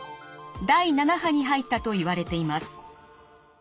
第７波に入ったといわれています。